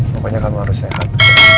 pokoknya kamu harus sehat